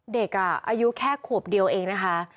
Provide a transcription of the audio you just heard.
เด็กอายุแค่ขวบเดียวเองนะคะ